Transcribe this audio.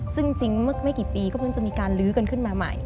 ซึ่งจริงเมื่อไม่กี่ปีก็เพิ่งจะมีการลื้อกันขึ้นมาใหม่